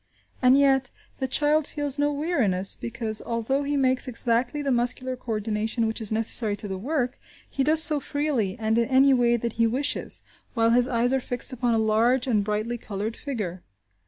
And yet, the child feels no weariness, because, although he makes exactly the muscular co ordination which is necessary to the work, he does so freely and in any way that he wishes, while his eyes are fixed upon a large and brightly coloured figure.